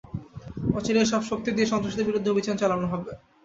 অচিরেই সব শক্তি দিয়ে সন্ত্রাসীদের বিরুদ্ধে অভিযান চালানো হবে।